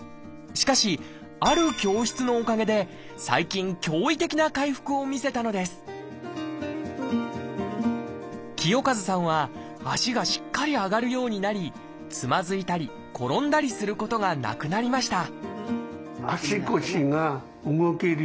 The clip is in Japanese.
しかし「ある教室」のおかげで最近驚異的な回復を見せたのです清和さんは足がしっかり上がるようになりつまずいたり転んだりすることがなくなりました